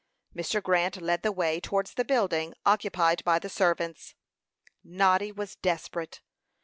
Mr. Grant led the way towards the building occupied by the servants. Noddy was desperate.